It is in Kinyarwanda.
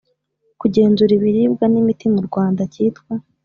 kugenzura ibiribwa n imiti mu Rwanda cyitwa